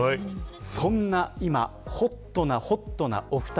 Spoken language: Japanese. そんな今ホットなホットなお二人